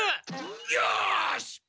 よし！